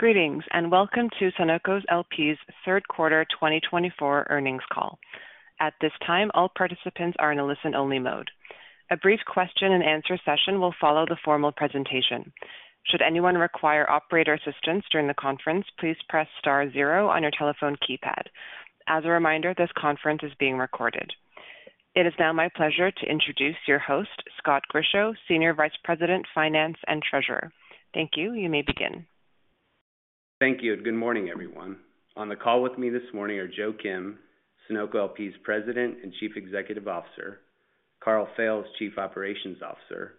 Greetings and welcome to Sunoco LP's Third Quarter 2024 Earnings Call. At this time, all participants are in a listen-only mode. A brief question-and-answer session will follow the formal presentation. Should anyone require operator assistance during the conference, please press star zero on your telephone keypad. As a reminder, this conference is being recorded. It is now my pleasure to introduce your host, Scott Grischow, Senior Vice President, Finance, and Treasurer. Thank you. You may begin. Thank you. Good morning, everyone. On the call with me this morning are Joe Kim, Sunoco LP's President and Chief Executive Officer; Karl Fails, Chief Operations Officer;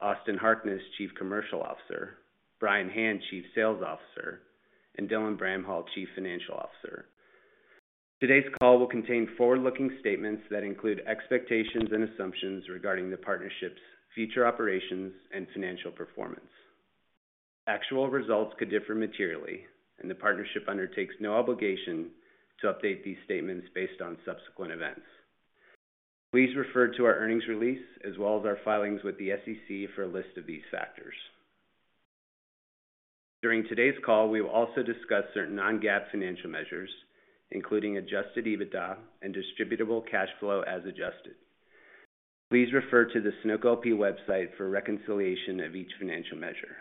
Austin Harkness, Chief Commercial Officer; Brian Hand, Chief Sales Officer; and Dylan Bramhall, Chief Financial Officer. Today's call will contain forward-looking statements that include expectations and assumptions regarding the partnership's future operations and financial performance. Actual results could differ materially, and the partnership undertakes no obligation to update these statements based on subsequent events. Please refer to our earnings release as well as our filings with the SEC for a list of these factors. During today's call, we will also discuss certain non-GAAP financial measures, including adjusted EBITDA and distributable cash flow as adjusted. Please refer to the Sunoco LP website for reconciliation of each financial measure.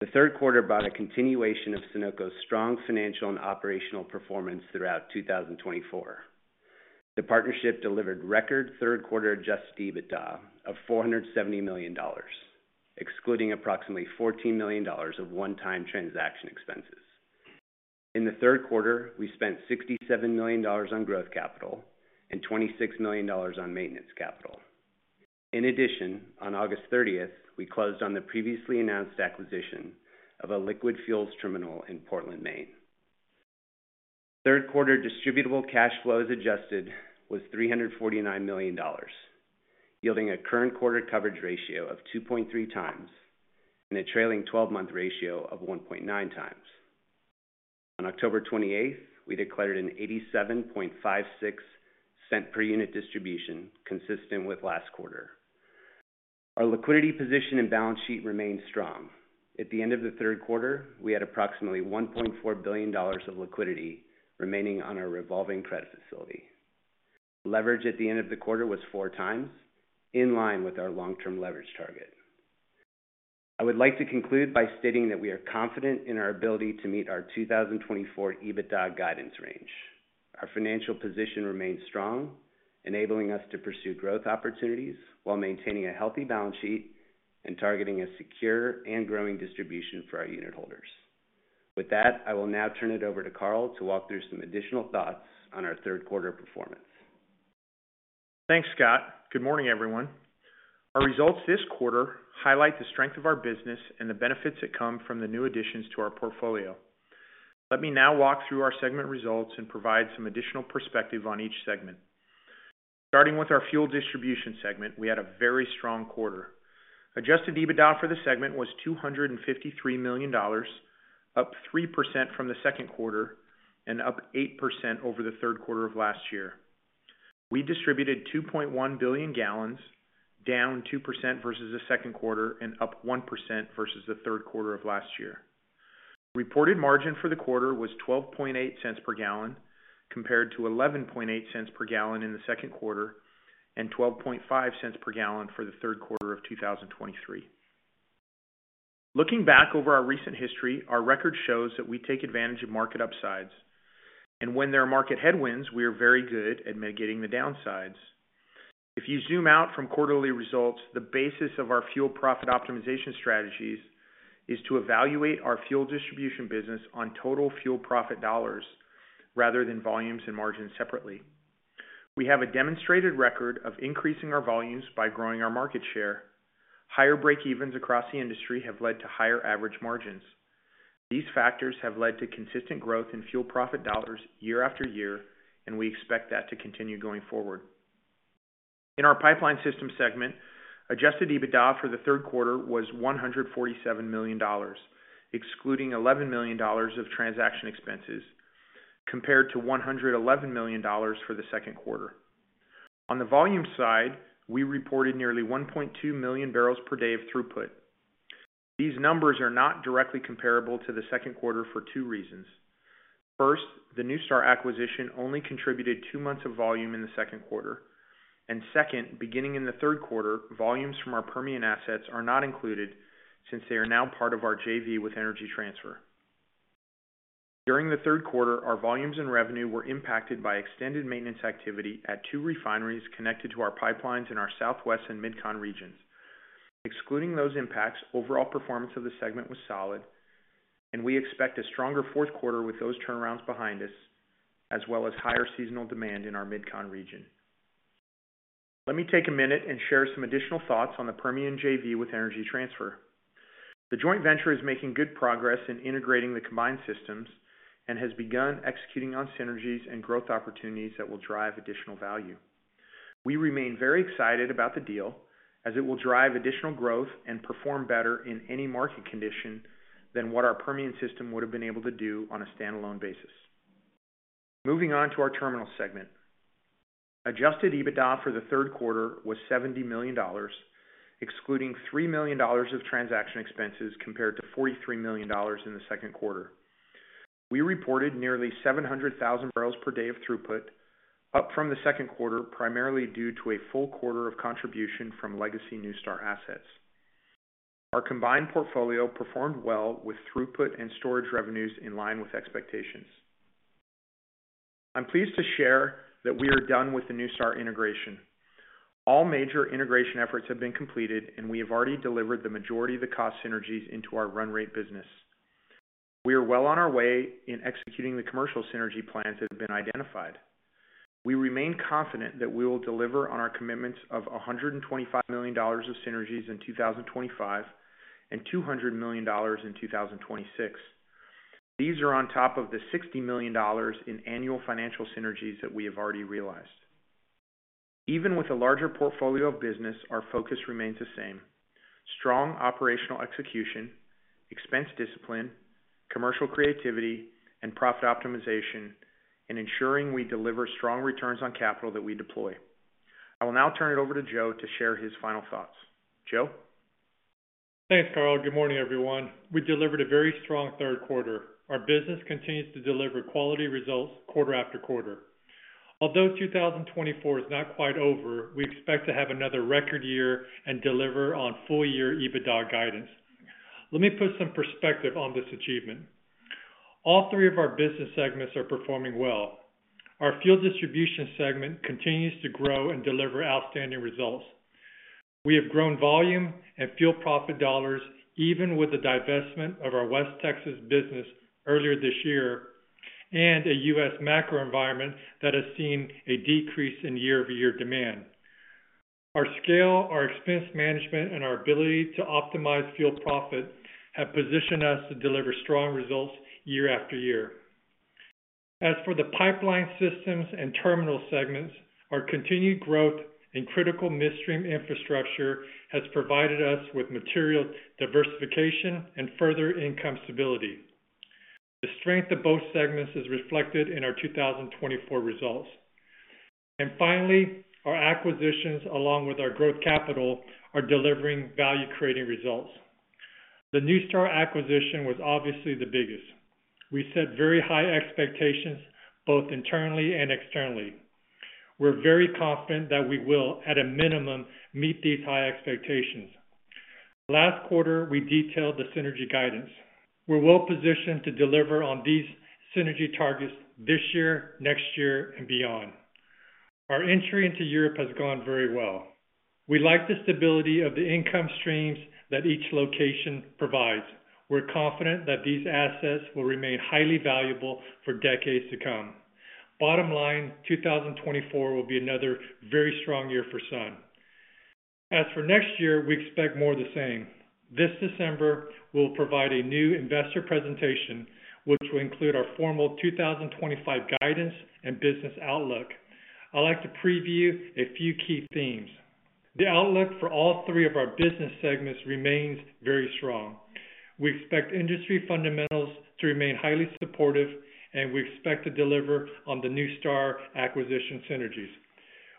The third quarter brought a continuation of Sunoco's strong financial and operational performance throughout 2024. The partnership delivered record third quarter Adjusted EBITDA of $470 million, excluding approximately $14 million of one-time transaction expenses. In the third quarter, we spent $67 million on growth capital and $26 million on maintenance capital. In addition, on August 30th, we closed on the previously announced acquisition of a liquid fuels terminal in Portland, Maine. Third quarter distributable cash flows adjusted was $349 million, yielding a current quarter coverage ratio of 2.3 times and a trailing 12-month ratio of 1.9 times. On October 28th, we declared an 87.56 cents per unit distribution consistent with last quarter. Our liquidity position and balance sheet remained strong. At the end of the third quarter, we had approximately $1.4 billion of liquidity remaining on our revolving credit facility. Leverage at the end of the quarter was four times, in line with our long-term leverage target. I would like to conclude by stating that we are confident in our ability to meet our 2024 EBITDA guidance range. Our financial position remains strong, enabling us to pursue growth opportunities while maintaining a healthy balance sheet and targeting a secure and growing distribution for our unitholders. With that, I will now turn it over to Karl to walk through some additional thoughts on our third quarter performance. Thanks, Scott. Good morning, everyone. Our results this quarter highlight the strength of our business and the benefits that come from the new additions to our portfolio. Let me now walk through our segment results and provide some additional perspective on each segment. Starting with our fuel distribution segment, we had a very strong quarter. Adjusted EBITDA for the segment was $253 million, up 3% from the second quarter and up 8% over the third quarter of last year. We distributed 2.1 billion gal, down 2% versus the second quarter and up 1% versus the third quarter of last year. Reported margin for the quarter was $0.128 per gal compared to $0.118 per gal in the second quarter and $0.125 per gal for the third quarter of 2023. Looking back over our recent history, our record shows that we take advantage of market upsides, and when there are market headwinds, we are very good at mitigating the downsides. If you zoom out from quarterly results, the basis of our fuel profit optimization strategies is to evaluate our fuel distribution business on total fuel profit dollars rather than volumes and margins separately. We have a demonstrated record of increasing our volumes by growing our market share. Higher breakevens across the industry have led to higher average margins. These factors have led to consistent growth in fuel profit dollars year after year, and we expect that to continue going forward. In our pipeline system segment, Adjusted EBITDA for the third quarter was $147 million, excluding $11 million of transaction expenses, compared to $111 million for the second quarter. On the volume side, we reported nearly 1.2 million barrels per day of throughput. These numbers are not directly comparable to the second quarter for two reasons. First, the NuStar acquisition only contributed two months of volume in the second quarter. And second, beginning in the third quarter, volumes from our Permian assets are not included since they are now part of our JV with Energy Transfer. During the third quarter, our volumes and revenue were impacted by extended maintenance activity at two refineries connected to our pipelines in our Southwest and Mid-Con regions. Excluding those impacts, overall performance of the segment was solid, and we expect a stronger fourth quarter with those turnarounds behind us, as well as higher seasonal demand in our Mid-Con region. Let me take a minute and share some additional thoughts on the Permian JV with Energy Transfer. The joint venture is making good progress in integrating the combined systems and has begun executing on synergies and growth opportunities that will drive additional value. We remain very excited about the deal as it will drive additional growth and perform better in any market condition than what our Permian system would have been able to do on a standalone basis. Moving on to our terminal segment, Adjusted EBITDA for the third quarter was $70 million, excluding $3 million of transaction expenses compared to $43 million in the second quarter. We reported nearly 700,000 barrels per day of throughput, up from the second quarter primarily due to a full quarter of contribution from legacy NuStar assets. Our combined portfolio performed well with throughput and storage revenues in line with expectations. I'm pleased to share that we are done with the NuStar integration. All major integration efforts have been completed, and we have already delivered the majority of the cost synergies into our run rate business. We are well on our way in executing the commercial synergy plans that have been identified. We remain confident that we will deliver on our commitments of $125 million of synergies in 2025 and $200 million in 2026. These are on top of the $60 million in annual financial synergies that we have already realized. Even with a larger portfolio of business, our focus remains the same: strong operational execution, expense discipline, commercial creativity, and profit optimization, and ensuring we deliver strong returns on capital that we deploy. I will now turn it over to Joe to share his final thoughts. Joe? Thanks, Karl. Good morning, everyone. We delivered a very strong third quarter. Our business continues to deliver quality results quarter after quarter. Although 2024 is not quite over, we expect to have another record year and deliver on full-year EBITDA guidance. Let me put some perspective on this achievement. All three of our business segments are performing well. Our fuel distribution segment continues to grow and deliver outstanding results. We have grown volume and fuel profit dollars even with the divestment of our West Texas business earlier this year and a U.S. macro environment that has seen a decrease in year-over-year demand. Our scale, our expense management, and our ability to optimize fuel profit have positioned us to deliver strong results year after year. As for the pipeline systems and terminal segments, our continued growth and critical midstream infrastructure has provided us with material diversification and further income stability. The strength of both segments is reflected in our 2024 results. And finally, our acquisitions, along with our growth capital, are delivering value-creating results. The NuStar acquisition was obviously the biggest. We set very high expectations both internally and externally. We're very confident that we will, at a minimum, meet these high expectations. Last quarter, we detailed the synergy guidance. We're well positioned to deliver on these synergy targets this year, next year, and beyond. Our entry into Europe has gone very well. We like the stability of the income streams that each location provides. We're confident that these assets will remain highly valuable for decades to come. Bottom line, 2024 will be another very strong year for Sunoco. As for next year, we expect more of the same. This December, we'll provide a new investor presentation, which will include our formal 2025 guidance and business outlook. I'd like to preview a few key themes. The outlook for all three of our business segments remains very strong. We expect industry fundamentals to remain highly supportive, and we expect to deliver on the NuStar acquisition synergies.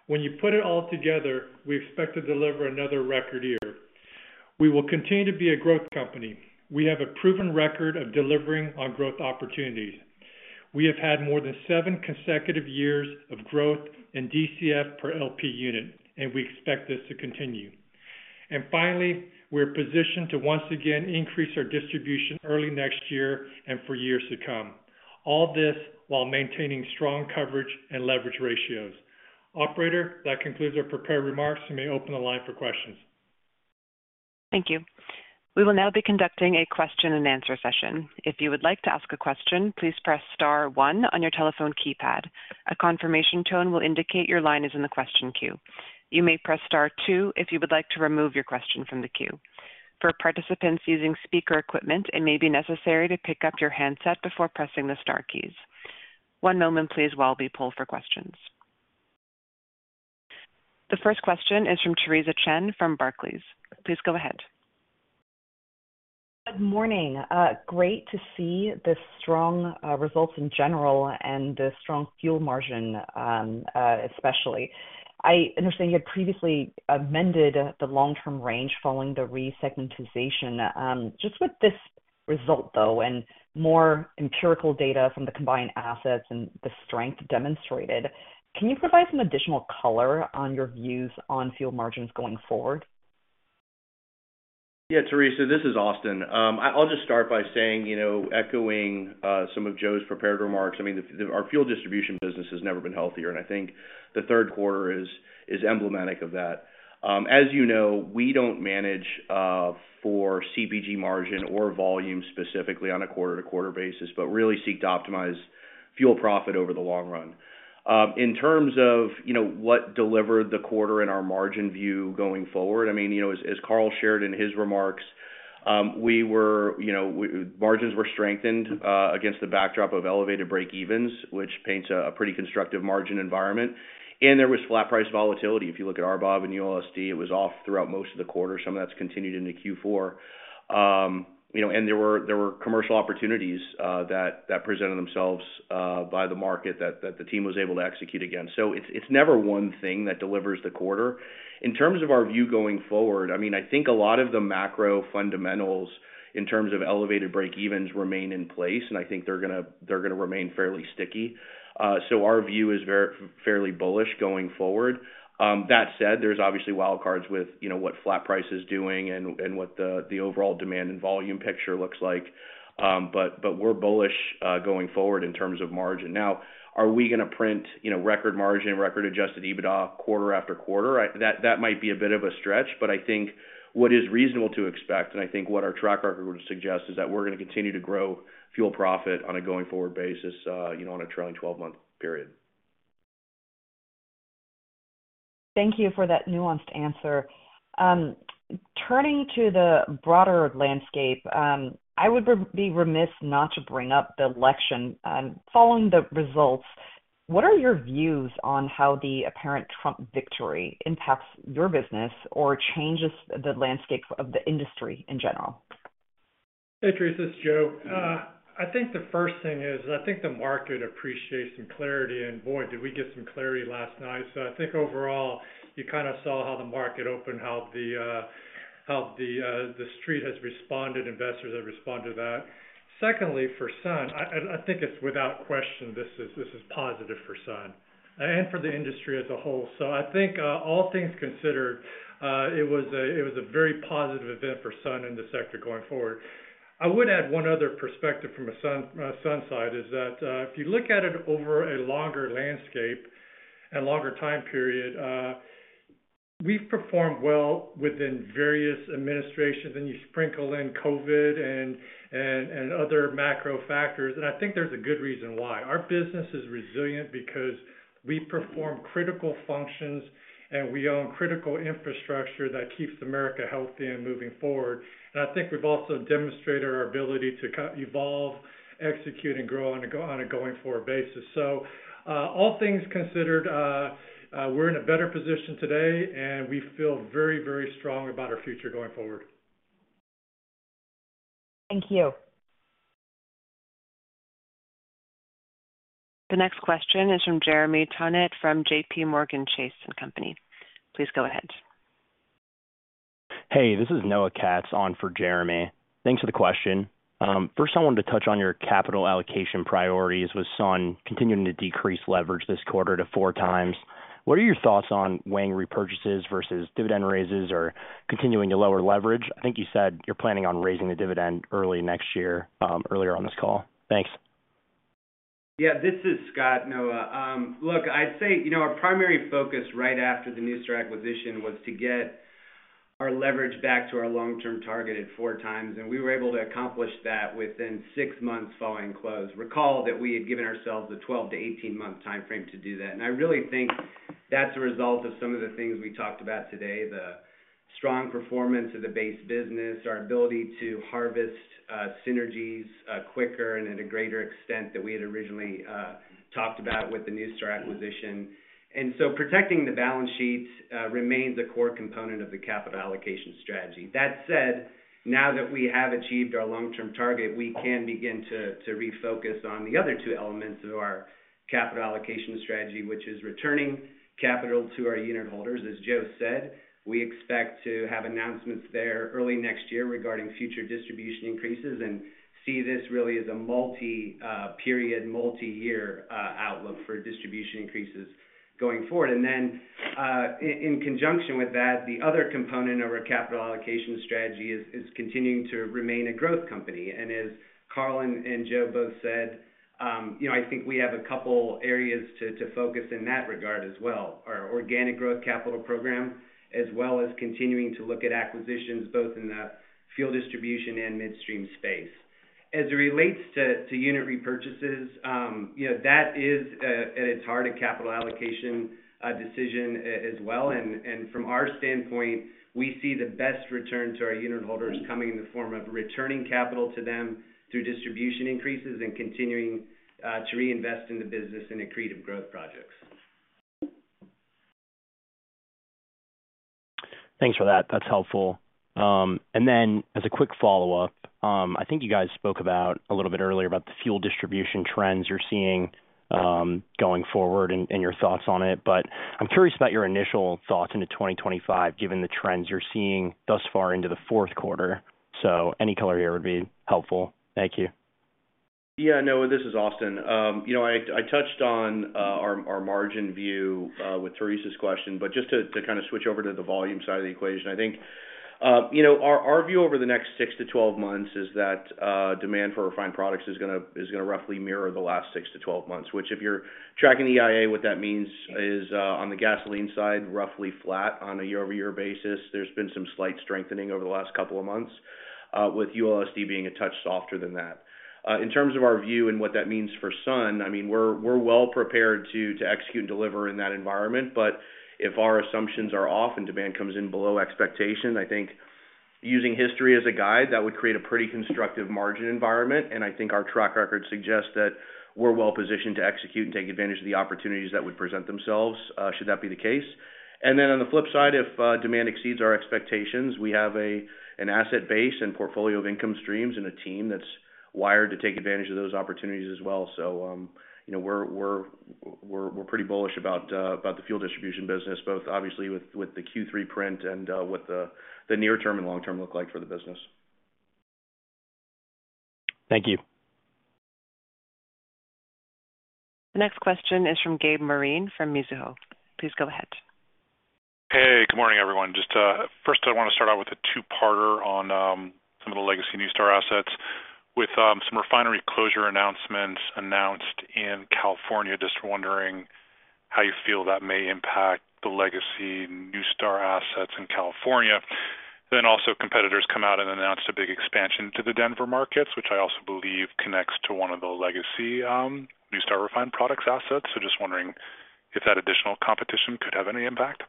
When you put it all together, we expect to deliver another record year. We will continue to be a growth company. We have a proven record of delivering on growth opportunities. We have had more than seven consecutive years of growth in DCF per LP unit, and we expect this to continue. And finally, we're positioned to once again increase our distribution early next year and for years to come, all this while maintaining strong coverage and leverage ratios. Operator, that concludes our prepared remarks. You may open the line for questions. Thank you. We will now be conducting a question-and-answer session. If you would like to ask a question, please press star one on your telephone keypad. A confirmation tone will indicate your line is in the question queue. You may press star two if you would like to remove your question from the queue. For participants using speaker equipment, it may be necessary to pick up your handset before pressing the star keys. One moment, please, while we pull for questions. The first question is from Theresa Chen from Barclays. Please go ahead. Good morning. Great to see the strong results in general and the strong fuel margin, especially. I understand you had previously amended the long-term range following the resegmentation. Just with this result, though, and more empirical data from the combined assets and the strength demonstrated, can you provide some additional color on your views on fuel margins going forward? Yeah, Theresa, this is Austin. I'll just start by saying, echoing some of Joe's prepared remarks, I mean, our fuel distribution business has never been healthier, and I think the third quarter is emblematic of that. As you know, we don't manage for CPG margin or volume specifically on a quarter-to-quarter basis, but really seek to optimize fuel profit over the long run. In terms of what delivered the quarter in our margin view going forward, I mean, as Karl shared in his remarks, margins were strengthened against the backdrop of elevated breakevens, which paints a pretty constructive margin environment. And there was flat price volatility. If you look at our BOB and ULSD, it was off throughout most of the quarter. Some of that's continued into Q4. And there were commercial opportunities that presented themselves by the market that the team was able to execute again. So it's never one thing that delivers the quarter. In terms of our view going forward, I mean, I think a lot of the macro fundamentals in terms of elevated breakevens remain in place, and I think they're going to remain fairly sticky. So our view is fairly bullish going forward. That said, there's obviously wildcards with what flat price is doing and what the overall demand and volume picture looks like. But we're bullish going forward in terms of margin. Now, are we going to print record margin, record adjusted EBITDA quarter after quarter? That might be a bit of a stretch, but I think what is reasonable to expect, and I think what our track record would suggest, is that we're going to continue to grow fuel profit on a going-forward basis on a trailing 12-month period. Thank you for that nuanced answer. Turning to the broader landscape, I would be remiss not to bring up the election. Following the results, what are your views on how the apparent Trump victory impacts your business or changes the landscape of the industry in general? Hey, Teresa, this is Joe. I think the first thing is I think the market appreciates some clarity, and boy, did we get some clarity last night. So I think overall, you kind of saw how the market opened, how the street has responded, investors have responded to that. Secondly, for Sun, I think it's without question this is positive for Sun and for the industry as a whole. So I think all things considered, it was a very positive event for Sun in the sector going forward. I would add one other perspective from a Sun side is that if you look at it over a longer landscape and longer time period, we've performed well within various administrations, and you sprinkle in COVID and other macro factors, and I think there's a good reason why. Our business is resilient because we perform critical functions, and we own critical infrastructure that keeps America healthy and moving forward. And I think we've also demonstrated our ability to evolve, execute, and grow on a going-forward basis. So all things considered, we're in a better position today, and we feel very, very strong about our future going forward. Thank you. The next question is from Jeremy Tonet from JPMorgan Chase & Company. Please go ahead. Hey, this is Noah Katz on for Jeremy. Thanks for the question. First, I wanted to touch on your capital allocation priorities with Sun continuing to decrease leverage this quarter to four times. What are your thoughts on share repurchases versus dividend raises or continuing to lower leverage? I think you said you're planning on raising the dividend early next year, earlier on this call. Thanks. Yeah, this is Scott, Noah. Look, I'd say our primary focus right after the NuStar acquisition was to get our leverage back to our long-term target at four times, and we were able to accomplish that within six months following close. Recall that we had given ourselves a 12-18-month timeframe to do that, and I really think that's a result of some of the things we talked about today, the strong performance of the base business, our ability to harvest synergies quicker and at a greater extent than we had originally talked about with the NuStar acquisition, and so protecting the balance sheet remains a core component of the capital allocation strategy. That said, now that we have achieved our long-term target, we can begin to refocus on the other two elements of our capital allocation strategy, which is returning capital to our unitholders. As Joe said, we expect to have announcements there early next year regarding future distribution increases and see this really as a multi-period, multi-year outlook for distribution increases going forward, and then in conjunction with that, the other component of our capital allocation strategy is continuing to remain a growth company, and as Karl and Joe both said, I think we have a couple areas to focus in that regard as well, our organic growth capital program, as well as continuing to look at acquisitions both in the fuel distribution and midstream space. As it relates to unit repurchases, that is at its heart a capital allocation decision as well, and from our standpoint, we see the best return to our unit holders coming in the form of returning capital to them through distribution increases and continuing to reinvest in the business and accretive growth projects. Thanks for that. That's helpful. And then as a quick follow-up, I think you guys spoke about a little bit earlier about the fuel distribution trends you're seeing going forward and your thoughts on it. But I'm curious about your initial thoughts into 2025, given the trends you're seeing thus far into the fourth quarter. So any color here would be helpful. Thank you. Yeah, Noah, this is Austin. I touched on our margin view with Theresa's question, but just to kind of switch over to the volume side of the equation, I think our view over the next 6-12 months is that demand for refined products is going to roughly mirror the last 6-12 months, which if you're tracking the EIA, what that means is on the gasoline side, roughly flat on a year-over-year basis. There's been some slight strengthening over the last couple of months, with ULSD being a touch softer than that. In terms of our view and what that means for Sun, I mean, we're well prepared to execute and deliver in that environment. But if our assumptions are off and demand comes in below expectation, I think using history as a guide, that would create a pretty constructive margin environment. And I think our track record suggests that we're well positioned to execute and take advantage of the opportunities that would present themselves should that be the case. And then on the flip side, if demand exceeds our expectations, we have an asset base and portfolio of income streams and a team that's wired to take advantage of those opportunities as well. So we're pretty bullish about the fuel distribution business, both obviously with the Q3 print and what the near-term and long-term look like for the business. Thank you. The next question is from Gabriel Moreen from Mizuho. Please go ahead. Hey, good morning, everyone. Just first, I want to start out with a two-parter on some of the legacy NuStar assets with some refinery closure announcements announced in California. Just wondering how you feel that may impact the legacy NuStar assets in California. Then also competitors come out and announced a big expansion to the Denver markets, which I also believe connects to one of the legacy NuStar refined products assets. So just wondering if that additional competition could have any impact.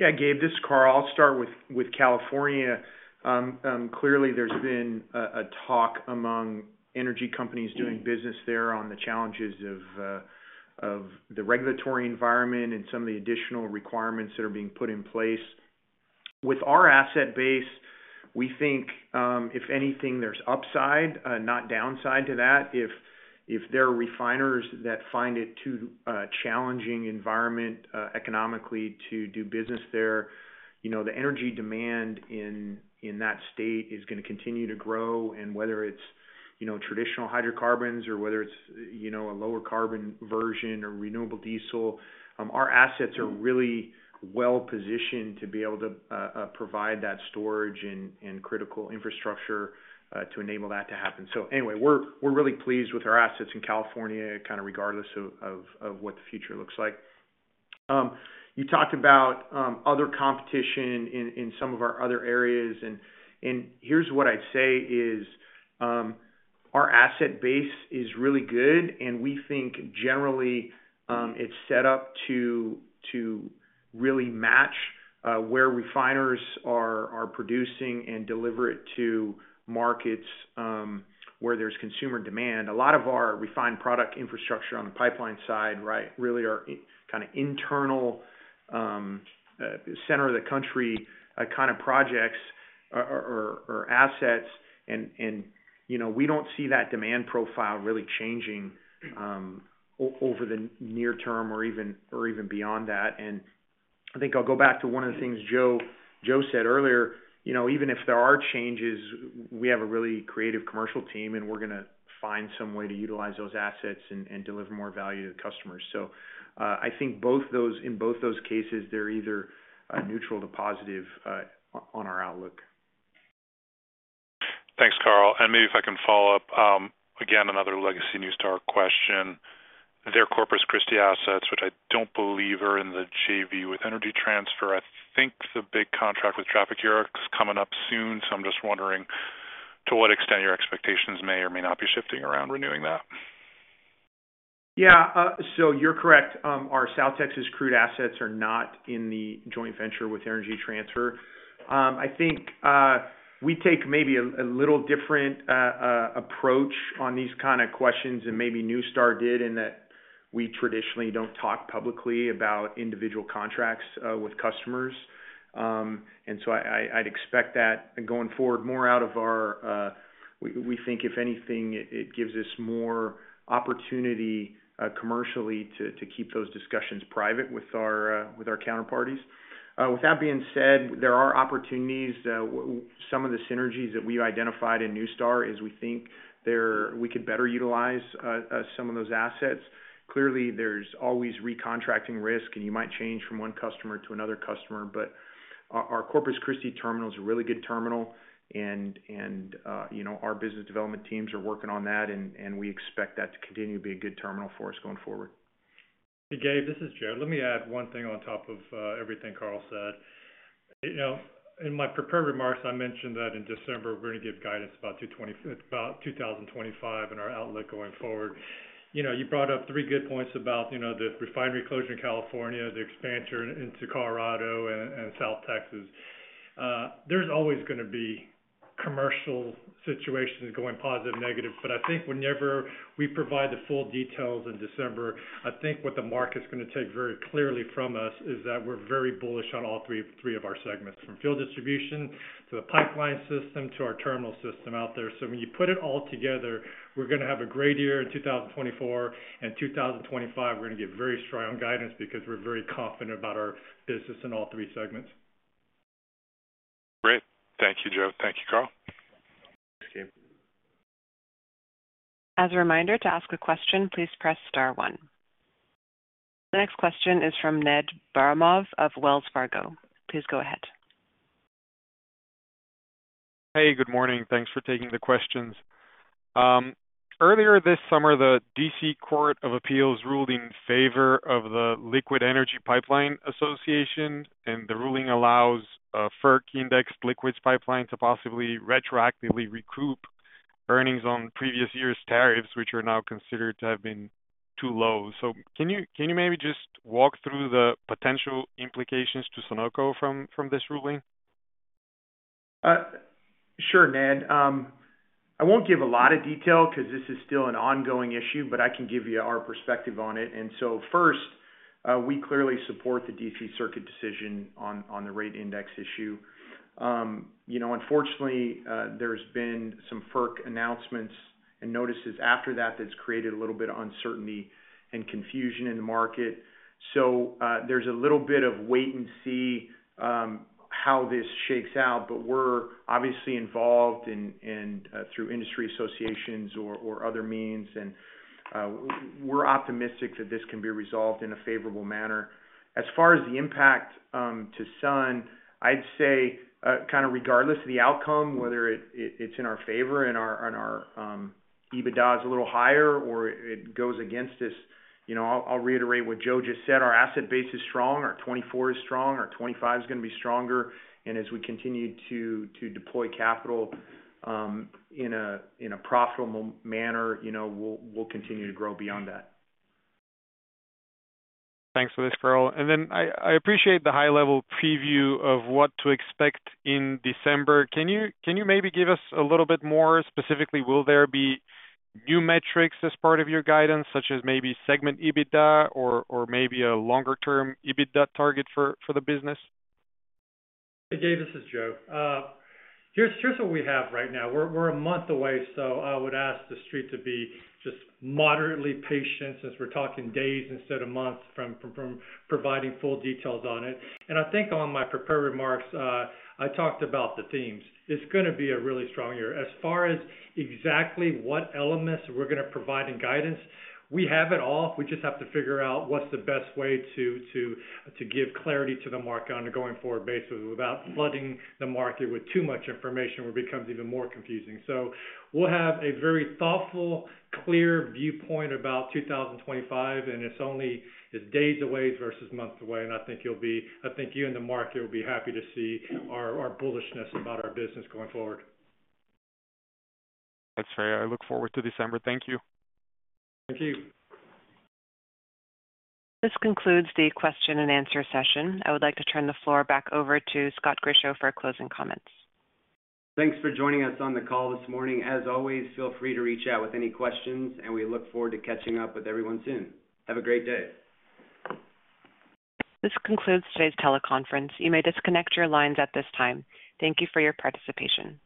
Yeah, Gabe, this is Karl. I'll start with California. Clearly, there's been a talk among energy companies doing business there on the challenges of the regulatory environment and some of the additional requirements that are being put in place. With our asset base, we think, if anything, there's upside, not downside to that. If there are refiners that find it too challenging environment economically to do business there, the energy demand in that state is going to continue to grow. And whether it's traditional hydrocarbons or whether it's a lower carbon version or renewable diesel, our assets are really well positioned to be able to provide that storage and critical infrastructure to enable that to happen. So anyway, we're really pleased with our assets in California, kind of regardless of what the future looks like. You talked about other competition in some of our other areas. And here's what I'd say is our asset base is really good, and we think generally it's set up to really match where refiners are producing and deliver it to markets where there's consumer demand. A lot of our refined product infrastructure on the pipeline side, right, really are kind of in the central center of the country kind of projects or assets. And we don't see that demand profile really changing over the near term or even beyond that. And I think I'll go back to one of the things Joe said earlier. Even if there are changes, we have a really creative commercial team, and we're going to find some way to utilize those assets and deliver more value to the customers. So I think in both those cases, they're either neutral to positive on our outlook. Thanks, Karl. And maybe if I can follow up, again, another legacy NuStar question. They're Corpus Christi assets, which I don't believe are in the JV with Energy Transfer. I think the big contract with Trafigura coming up soon. So I'm just wondering to what extent your expectations may or may not be shifting around renewing that. Yeah. So you're correct. Our South Texas crude assets are not in the joint venture with Energy Transfer. I think we take maybe a little different approach on these kind of questions than maybe NuStar did in that we traditionally don't talk publicly about individual contracts with customers. And so I'd expect that going forward more out of our we think, if anything, it gives us more opportunity commercially to keep those discussions private with our counterparties. With that being said, there are opportunities. Some of the synergies that we've identified in NuStar is we think we could better utilize some of those assets. Clearly, there's always recontracting risk, and you might change from one customer to another customer. Our Corpus Christi terminal is a really good terminal, and our business development teams are working on that, and we expect that to continue to be a good terminal for us going forward. Hey, Gabe, this is Joe. Let me add one thing on top of everything Karl said. In my prepared remarks, I mentioned that in December, we're going to give guidance about 2025 and our outlook going forward. You brought up three good points about the refinery closure in California, the expansion into Colorado and South Texas. There's always going to be commercial situations going positive, negative. But I think whenever we provide the full details in December, I think what the market's going to take very clearly from us is that we're very bullish on all three of our segments, from fuel distribution to the pipeline system to our terminal system out there. So when you put it all together, we're going to have a great year in 2024. In 2025, we're going to get very strong guidance because we're very confident about our business in all three segments. Great. Thank you, Joe. Thank you, Karl. Thanks, Gabe. As a reminder, to ask a question, please press star one. The next question is from Ned Baramov of Wells Fargo. Please go ahead. Hey, good morning. Thanks for taking the questions. Earlier this summer, the DC Court of Appeals ruled in favor of the Liquid Energy Pipeline Association, and the ruling allows FERC-indexed liquids pipelines to possibly retroactively recoup earnings on previous year's tariffs, which are now considered to have been too low. So can you maybe just walk through the potential implications to Sunoco from this ruling? Sure, Ned. I won't give a lot of detail because this is still an ongoing issue, but I can give you our perspective on it, and so first, we clearly support the DC Circuit decision on the rate index issue. Unfortunately, there's been some FERC announcements and notices after that that's created a little bit of uncertainty and confusion in the market, so there's a little bit of wait and see how this shakes out, but we're obviously involved through industry associations or other means, and we're optimistic that this can be resolved in a favorable manner. As far as the impact to Sun, I'd say kind of regardless of the outcome, whether it's in our favor and our EBITDA is a little higher or it goes against us, I'll reiterate what Joe just said. Our asset base is strong. Our 24 is strong. Our 25 is going to be stronger. And as we continue to deploy capital in a profitable manner, we'll continue to grow beyond that. Thanks for this, Karl. And then I appreciate the high-level preview of what to expect in December. Can you maybe give us a little bit more specifically? Will there be new metrics as part of your guidance, such as maybe segment EBITDA or maybe a longer-term EBITDA target for the business? Hey, Gabe, this is Joe. Here's what we have right now. We're a month away, so I would ask the street to be just moderately patient since we're talking days instead of months from providing full details on it. And I think on my prepared remarks, I talked about the themes. It's going to be a really strong year. As far as exactly what elements we're going to provide in guidance, we have it all. We just have to figure out what's the best way to give clarity to the market on a going forward basis without flooding the market with too much information, which becomes even more confusing. So we'll have a very thoughtful, clear viewpoint about 2025, and it's days away versus months away. And I think you and the market will be happy to see our bullishness about our business going forward. That's right. I look forward to December. Thank you. Thank you. This concludes the question and answer session. I would like to turn the floor back over to Scott Grischow for closing comments. Thanks for joining us on the call this morning. As always, feel free to reach out with any questions, and we look forward to catching up with everyone soon. Have a great day. This concludes today's teleconference. You may disconnect your lines at this time. Thank you for your participation.